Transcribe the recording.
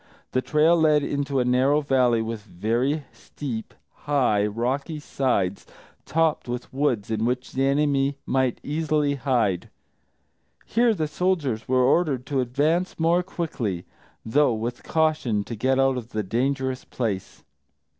The trail led into a narrow valley with very steep, high, rocky sides, topped with woods in which the enemy might easily hide. Here the soldiers were ordered to advance more quickly, though with caution, to get out of the dangerous place.